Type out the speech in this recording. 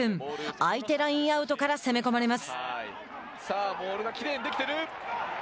相手ラインアウトから攻め込まれます。